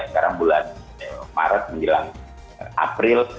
sekarang bulan maret menjelang april